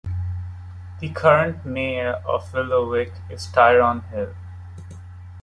The current mayor of Willowick is Tyrone Hill.